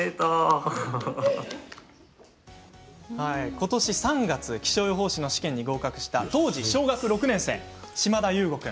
ことし３月気象予報士の試験に合格した当時小学６年生の島田有吾君。